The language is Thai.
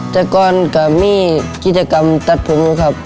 แต่ก่อนก็มีกิจกรรมตัดผมครับ